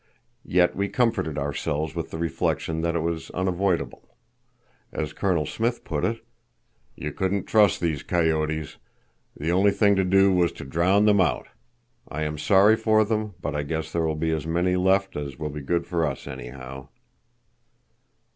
Yet we comforted ourselves with the reflection that it was unavoidable. As Colonel Smith put it: "You couldn't trust these coyotes. The only thing to do was to drown them out. I am sorry for them, but I guess there will be as many left as will be good for us, anyhow."